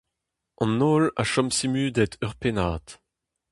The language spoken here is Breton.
An holl a chom simudet ur pennad.